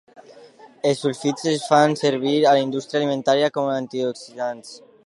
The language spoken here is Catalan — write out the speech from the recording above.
Els sulfits es fan servir a la indústria alimentària com a antioxidants.